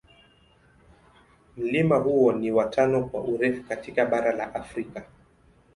Mlima huo ni wa tano kwa urefu katika bara la Afrika.